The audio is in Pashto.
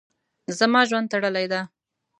زما ژوند تړلی ده.